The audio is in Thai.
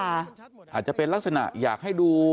อาจจะเป็นลักษณะอยากให้ดู